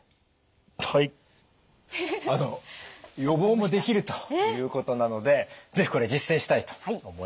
予防もできるということなので是非これ実践したいと思います。